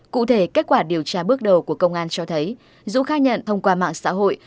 cụ thể kết quả điều tra bước đầu của công an cho thấy dũ khai nhận thông qua mạng xã hội